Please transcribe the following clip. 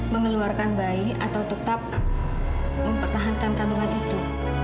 mengeluarkan bayi atau tetap mempertahankan kandungan itu